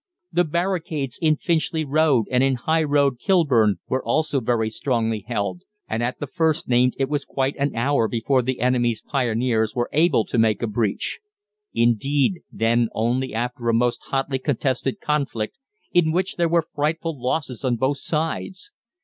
The barricades in Finchley Road, and in High Road, Kilburn, were also very strongly held, and at the first named it was quite an hour before the enemy's pioneers were able to make a breach. Indeed, then only after a most hotly contested conflict, in which there were frightful losses on both sides.